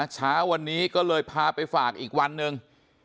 เช้าวันนี้ก็เลยพาไปฝากอีกวันหนึ่ง